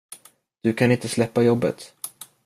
Du kan inte släppa jobbet.